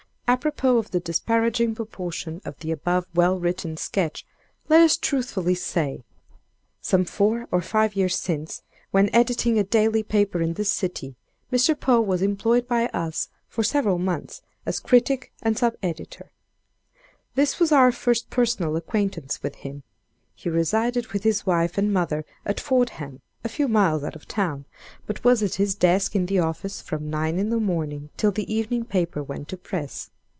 Apropos of the disparaging portion of the above well written sketch, let us truthfully say: Some four or five years since, when editing a daily paper in this city, Mr. Poe was employed by us, for several months, as critic and sub editor. This was our first personal acquaintance with him. He resided with his wife and mother at Fordham, a few miles out of town, but was at his desk in the office, from nine in the morning till the evening paper went to press.